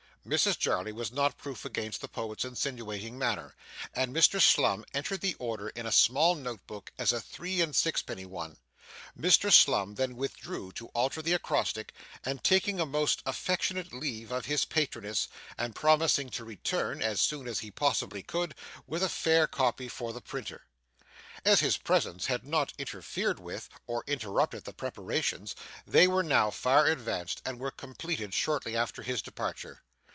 Mrs Jarley was not proof against the poet's insinuating manner, and Mr Slum entered the order in a small note book as a three and sixpenny one. Mr Slum then withdrew to alter the acrostic, after taking a most affectionate leave of his patroness, and promising to return, as soon as he possibly could, with a fair copy for the printer. As his presence had not interfered with or interrupted the preparations, they were now far advanced, and were completed shortly after his departure.